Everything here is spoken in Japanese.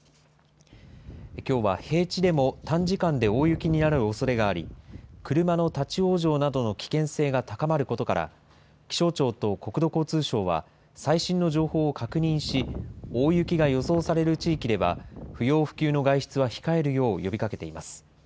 きょうは平地でも短時間で大雪になるおそれがあり、車の立往生などの危険性が高まることから、気象庁と国土交通省は、最新の情報を確認し、大雪が予想される地域では、不要不急の外出は控えるよう呼びかけています。